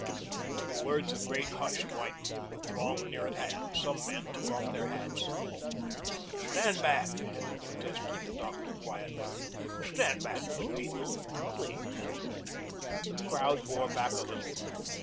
At the words a great hush widened throughout the throng near at hand. Some men took off their hats. "Stand back," protested the doctor quietly, "stand back, good people, please." The crowd bore back a little.